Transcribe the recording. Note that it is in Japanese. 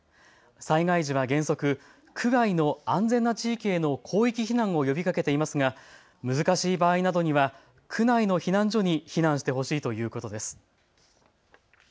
災害時は原則、区外の安全な地域への広域避難を呼びかけていますが難しい場合などには区内の避難所に避難してほしいということです。